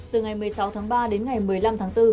từ ngày một mươi sáu tháng ba đến ngày một mươi năm tháng bốn